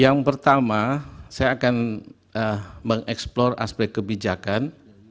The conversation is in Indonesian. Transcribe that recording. yang pertama saya akan mengeksplor aspek kebijakan